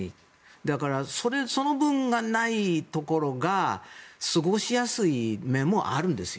だから、その分がないところが過ごしやすい面もあるんですよ。